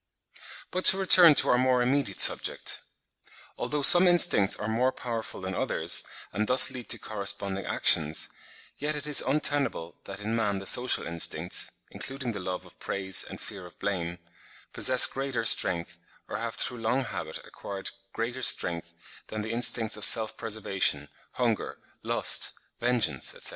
But to return to our more immediate subject. Although some instincts are more powerful than others, and thus lead to corresponding actions, yet it is untenable, that in man the social instincts (including the love of praise and fear of blame) possess greater strength, or have, through long habit, acquired greater strength than the instincts of self preservation, hunger, lust, vengeance, etc.